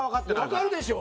わかるでしょ！